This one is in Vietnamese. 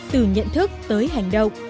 từ nhận thức tới hành động